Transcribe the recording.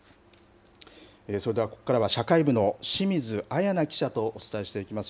それではここからは社会部の清水彩奈記者とお伝えしていきます。